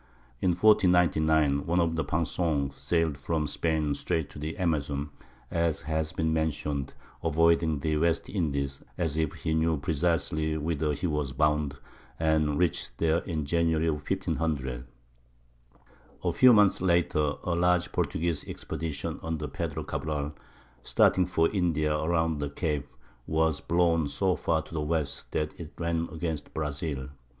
In 1499 one of the Pinçons sailed from Spain straight to the Amazon, as has been mentioned, avoiding the West Indies, as if he knew precisely whither he was bound, and reached there in January of 1500. A few months later a large Portuguese expedition under Pedro Cabral, starting for India around the cape, was blown so far to the west that it ran against Brazil.